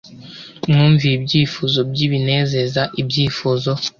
Mwumviye ibyifuzo byibinezeza ibyifuzo